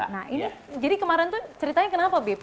nah ini jadi kemarin tuh ceritanya kenapa bip